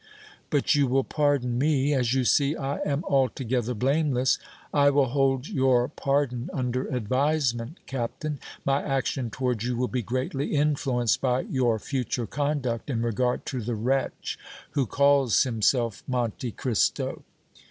"But you will pardon me, as you see I am altogether blameless?" "I will hold your pardon under advisement, Captain. My action towards you will be greatly influenced by your future conduct in regard to the wretch who calls himself Monte Cristo!"